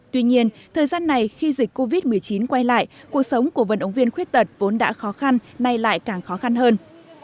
tuy nhiên thời gian này khi dịch covid một mươi chín quay lại cuộc sống của vận động viên khuyết tật vốn đã khó khăn nay lại càng khó khăn hơn